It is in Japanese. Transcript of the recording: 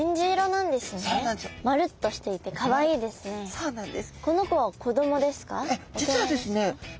そうなんです。